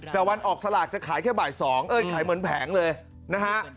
แต่วันออกสลากจะขายแค่บ่าย๒เอ้ยขายเหมือนแผงเลยนะฮะ